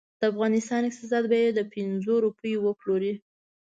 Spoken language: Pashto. د افغانستان اقتصاد به یې په پنځو روپو وپلوري.